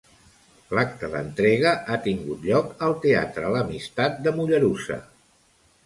L'acte d'entrega ha tingut lloc al Teatre L'Amistat de Mollerussa.